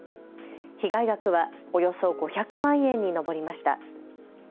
被害額はおよそ５００万円に上りました。